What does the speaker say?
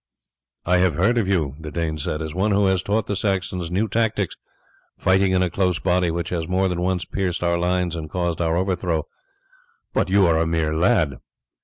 "I have heard of you," the Dane said, "as one who has taught the Saxons new tactics, fighting in a close body which has more than once pierced our lines and caused our overthrow; but you are a mere lad."